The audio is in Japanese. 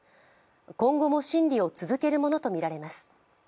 今後も審理を続けるものとみられます。